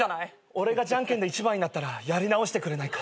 俺がじゃんけんで一番になったらやり直してくれないか？